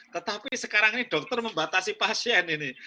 tetapi sekarang ini dokter membatasi pasien ini